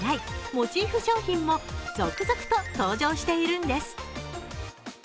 モチーフ商品も続々と登場しているんです。